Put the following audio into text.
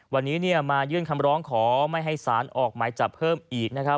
วันนี้มายื่นคำร้องขอไม่ให้สารออกหมายจับเพิ่มอีกนะครับ